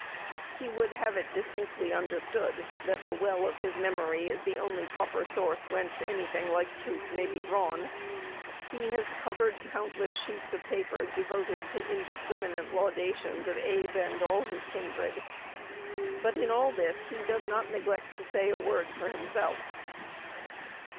He would have it distinctly understood that the well of his memory is the only proper source whence any thing like truth may be drawn.1 He has covered countless sheets of paper devoted to indiscriminate laudations of Abe and all his kindred. But in all this he does not neglect to say a word for himself.